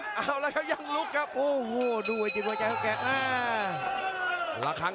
นี่ครับหัวมาเจอแบบนี้เลยครับวงในของพาราดอลเล็กครับ